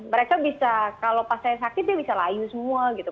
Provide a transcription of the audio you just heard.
mereka bisa kalau pas saya sakit dia bisa layu semua gitu